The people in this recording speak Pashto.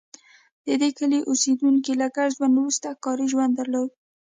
د دې کلي اوسېدونکي له ګډ ژوند وروسته ښکاري ژوند درلود